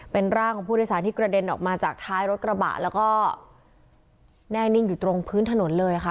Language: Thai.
เป็นร่างของผู้โดยสารที่กระเด็นออกมาจากท้ายรถกระบะแล้วก็แน่นิ่งอยู่ตรงพื้นถนนเลยค่ะ